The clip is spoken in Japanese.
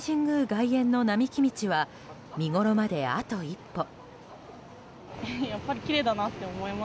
外苑の並木道は見ごろまであと一歩。